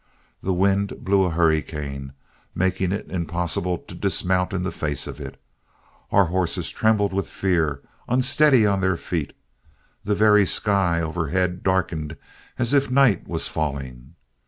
The wind blew a hurricane, making it impossible to dismount in the face of it. Our horses trembled with fear, unsteady on their feet. The very sky overhead darkened as if night was falling.